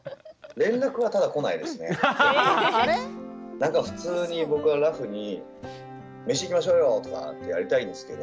なんか普通に僕はラフに飯、行きましょうよとかってやりたいんですけど